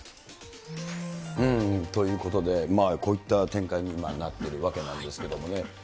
ということで、こういった展開になっているわけなんですけどもね。